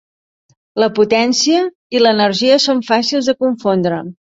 La potència i l'energia són fàcils de confondre.